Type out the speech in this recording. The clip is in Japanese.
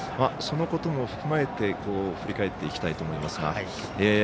そのことも踏まえて振り返っていきたいと思います。